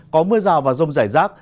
có mưa rào và rông rải rác